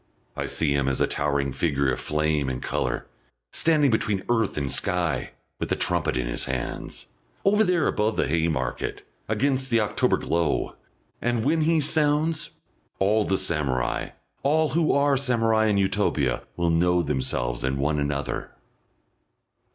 I see him as a towering figure of flame and colour, standing between earth and sky, with a trumpet in his hands, over there above the Haymarket, against the October glow; and when he sounds, all the samurai, all who are samurai in Utopia, will know themselves and one another....